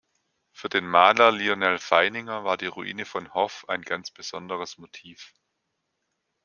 Für den Maler Lyonel Feininger war die Ruine von Hoff ein ganz besonderes Motiv.